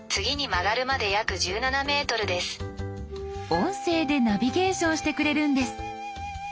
音声でナビゲーションしてくれるんです。